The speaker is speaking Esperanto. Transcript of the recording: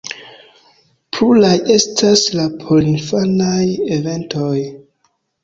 Pluraj estas la porinfanaj eventoj.